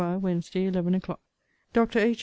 WEDNESDAY, ELEVEN O'CLOCK. Dr. H.